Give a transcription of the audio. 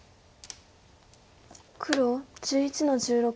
黒１１の十六。